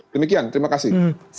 demikian terima kasih